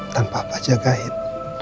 tanpa apa jagain